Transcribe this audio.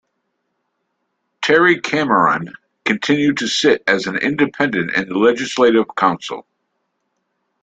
Terry Cameron continued to sit as an Independent in the Legislative Council.